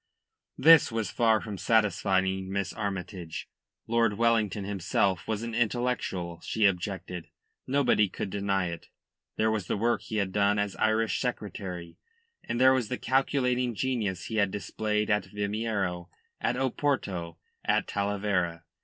This was far from satisfying Miss Armytage. Lord Wellington himself was an intellectual, she objected. Nobody could deny it. There was the work he had done as Irish Secretary, and there was the calculating genius he had displayed at Vimeiro, at Oporto, at Talavera.